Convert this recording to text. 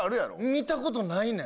見たことないねん。